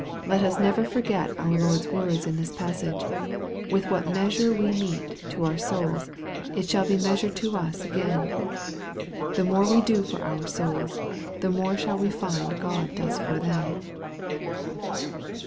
Let us never forget our Lord's words in this passage. " With what measure we mete" to our souls, " it shall be measured to us again." The more we do for our souls, the more shall we find God does for them.